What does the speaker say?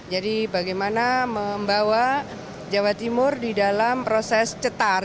jadi bagaimana membawa jawa timur di dalam proses cetar